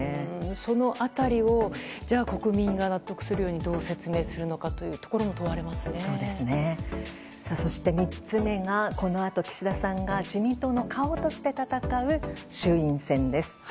その辺りを国民が納得するようにどう説明するのかがそして、３つ目がこのあと岸田さんが自民党の顔として戦う衆院選です。